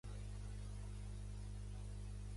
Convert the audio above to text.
Tornà a Mallorca, feu alguns viatges i s'ordenà sacerdot.